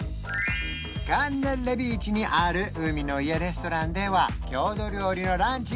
カンネッレビーチにある海の家レストランでは郷土料理のランチが人気なんだって